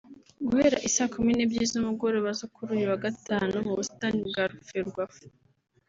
Guhera i Saa kumi n’ebyiri z’umugoroba zo kuri uyu wa Gatanu mu busitani bwa Ferwafa